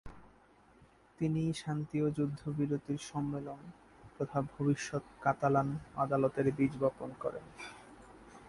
তিনিই শান্তি ও যুদ্ধবিরতির সম্মেলন, তথা ভবিষ্যৎ কাতালান "আদালতের" বীজ বপন করেন।